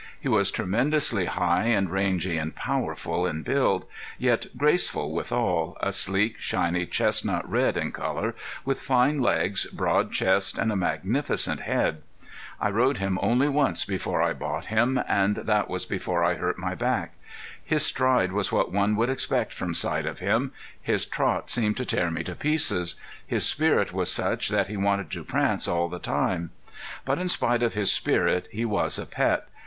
He was tremendously high and rangy and powerful in build, yet graceful withal, a sleek, shiny chestnut red in color, with fine legs, broad chest, and a magnificent head. I rode him only once before I bought him, and that was before I hurt my back. His stride was what one would expect from sight of him; his trot seemed to tear me to pieces; his spirit was such that he wanted to prance all the time. But in spite of his spirit he was a pet.